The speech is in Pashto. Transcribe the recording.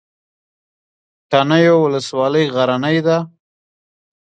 تڼیو ولسوالۍ غرنۍ ده؟